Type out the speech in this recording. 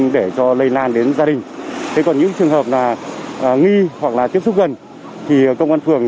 để cho lây lan đến gia đình thế còn những trường hợp mà nghi hoặc là tiếp xúc gần thì công an phường